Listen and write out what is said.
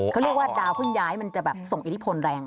เขาเรียกว่าดาวเพิ่งย้ายมันจะแบบส่งอิทธิพลแรง